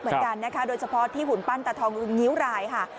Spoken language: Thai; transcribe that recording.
เหมือนกันนะคะโดยเฉพาะที่หุ่นปั้นตาทองงิ้วรายค่ะ